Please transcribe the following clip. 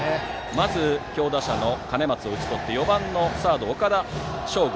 まず強打者の兼松を打ち取って、続いて４番のサード、岡田翔豪。